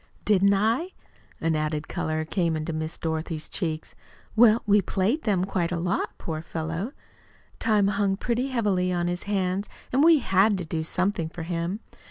"Didn't I?" An added color came into Miss Dorothy's cheeks. "Well, we played them quite a lot. Poor fellow! Time hung pretty heavily on his hands, and we HAD to do something for him.